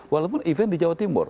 walaupun event di jawa timur